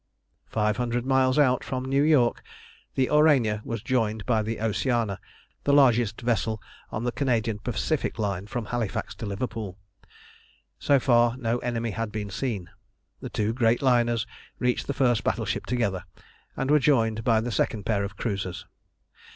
Five hundred miles out from New York the Aurania was joined by the Oceana, the largest vessel on the Canadian Pacific line from Halifax to Liverpool. So far no enemy had been seen. The two great liners reached the first battleship together, and were joined by the second pair of cruisers.